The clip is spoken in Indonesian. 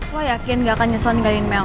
lo yakin gak akan nyesel nih ngasihin mel